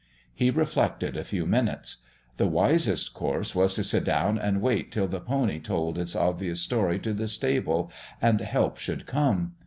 He reflected a few minutes. The wisest course was to sit down and wait till the pony told its obvious story to the stable, and help should come.